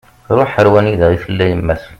Truḥ ar wanda i tella yemma-s